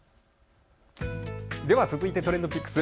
では続いてＴｒｅｎｄＰｉｃｋｓ